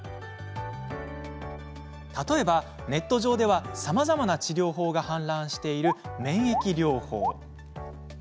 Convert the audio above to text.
例えば、ネット上ではさまざまな治療法が氾濫している免疫療法。